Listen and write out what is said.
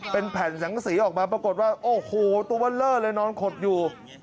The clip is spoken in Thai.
เป็นแผ่นสังสีออกมาปรากฏว่าโอ้โหตัวเล่อเลยนอนขดอยู่